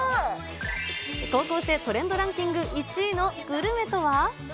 高校生トレンドランキング１位のグルメとは？